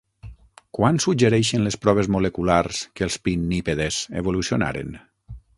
Quan suggereixen les proves moleculars que els pinnípedes evolucionaren?